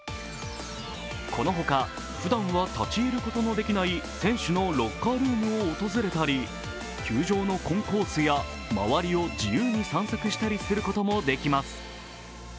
このほか、ふだんは立ち入ることのできない選手のロッカールームを訪れたり、球場のコンコースや周りを自由に散策したりすることもできます。